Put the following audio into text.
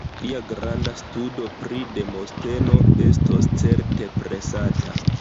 Lia granda studo pri Demosteno estos certe presata.